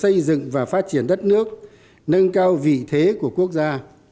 nhiệm vụ xây dựng và phát triển đất nước nâng cao vị thế của quốc gia